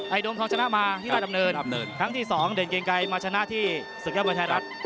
ไอ้โดมทองชนะมาที่รายดำเนินดำเนินครั้งที่สองเด่นเกรงไกรมาชนะที่ศึกยาบรรทายรัฐ